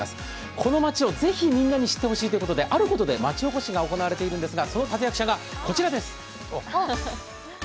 この街をぜひみんなに知ってほしいということであることで町おこしが行われているんですがその立役者が、こちらです。